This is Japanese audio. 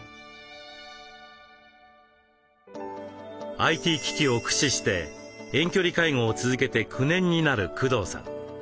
ＩＴ機器を駆使して遠距離介護を続けて９年になる工藤さん。